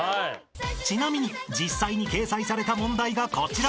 ［ちなみに実際に掲載された問題がこちら］